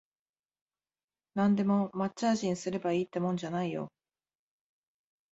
なんでも抹茶味にすればいいってもんじゃないよ